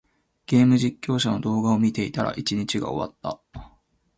ゲーム実況者の動画を見ていたら、一日が終わった。